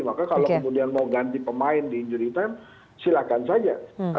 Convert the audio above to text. maka kalau kemudian mau ganti pemain di injury time silakan saja